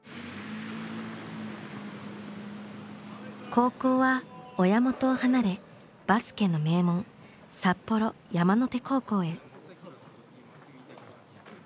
高校は親元を離れバスケの名門札幌山の手高校へ。